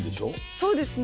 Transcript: そうですね。